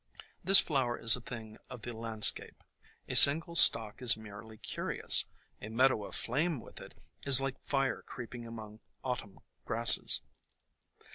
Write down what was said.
This flower is a thing of the landscape. A single stalk is merely curious ; a meadow aflame with it is like fire creeping among autumn grasses.